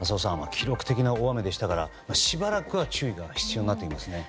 記録的な大雨でしたからしばらくは注意が必要になってきますね。